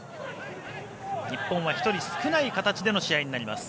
日本は１人少ない形での試合になります。